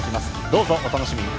どうぞお楽しみに。